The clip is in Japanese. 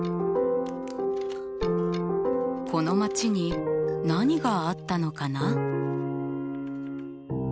この街に何があったのかな？